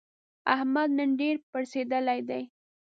احمد نن ډېر پړسېدلی دی.